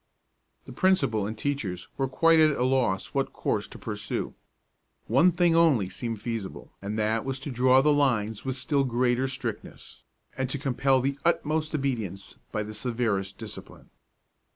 The principal and teachers were quite at a loss what course to pursue. One thing only seemed feasible, and that was to draw the lines with still greater strictness, and to compel the utmost obedience by the severest discipline.